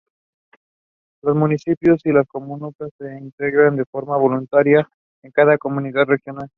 Los municipios y las comunas se integran en forma voluntaria a cada comunidad regional.